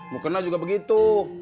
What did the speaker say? mukena juga begitu